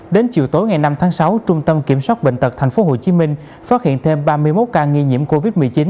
đến chiều tối ngày năm tháng sáu trung tâm kiểm soát bệnh tật tp hcm phát hiện thêm ba mươi một ca nghi nhiễm covid một mươi chín